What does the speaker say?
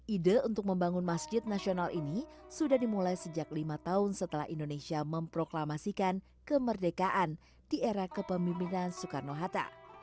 ide untuk membangun masjid nasional ini sudah dimulai sejak lima tahun setelah indonesia memproklamasikan kemerdekaan di era kepemimpinan soekarno hatta